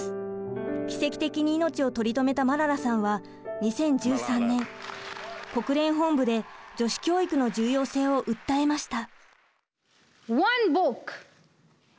奇跡的に命を取り留めたマララさんは２０１３年国連本部で女子教育の重要性を訴えました。